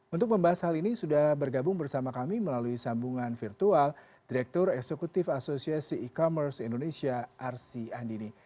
untuk membahas hal ini sudah bergabung bersama kami melalui sambungan virtual direktur eksekutif asosiasi e commerce indonesia arsy andini